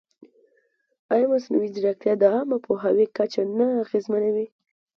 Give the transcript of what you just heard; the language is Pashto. ایا مصنوعي ځیرکتیا د عامه پوهاوي کچه نه اغېزمنوي؟